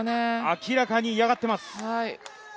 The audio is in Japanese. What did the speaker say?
明らかに嫌がっています。